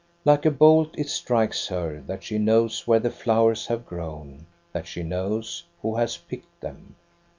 Like a bolt it strikes her that she knows where the flowers have grown, that she knows who has picked t^em.